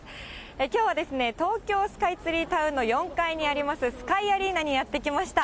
きょうは東京スカイツリータウンの４階にあります、スカイアリーナにやって来ました。